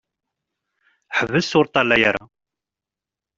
Ḥbes ur ṭṭalaya ara!